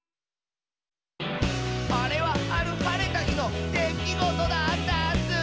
「あれはあるはれたひのできごとだったッスー」